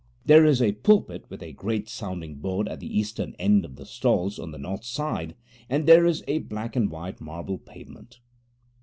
There is a pulpit with a great sounding board at the eastern end of the stalls on the north side, and there is a black and white marble pavement.